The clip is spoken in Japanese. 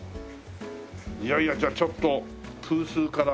いやいやじゃあちょっとプースーから。